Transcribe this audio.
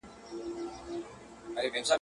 خالقه سترګي د رقیب مي سپېلني کې ورته.